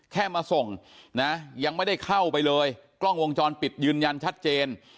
แค่มาส่งนะยังไม่ได้เข้าไปเลยกล้องวงจรปิดยืนยันชัดเจน